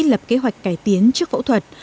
lập kế hoạch cải tiến trước phẫu thuật